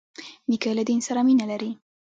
نیکه له دین سره مینه لري.